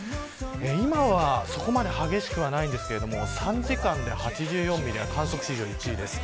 今はそこまで激しくはないんですけれども３時間で８４ミリは観測史上１位です。